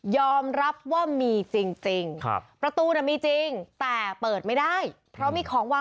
ยอมรับว่ามีจริง